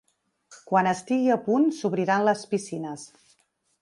Quan estigui a punt, s’obriran les piscines.